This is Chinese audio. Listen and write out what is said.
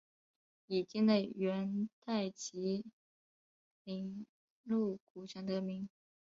以境内元代集宁路古城得名。